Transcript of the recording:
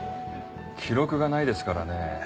記録がないですからねぇ。